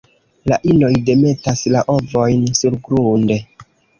La inoj demetas la ovojn surgrunde.